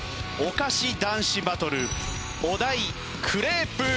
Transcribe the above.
お菓子男子バトルお題クレープ。